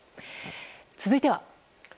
続いては。